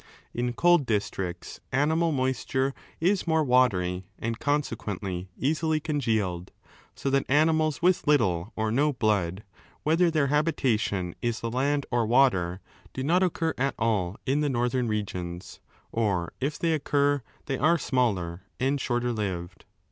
In cold districts animal moisture is more watery and consequently easily congealed, so that animals with little or no blood, whether their habitation is the land or water, do not occur at all in the northern regions, or if they occur they are smaller and shorter ID lived.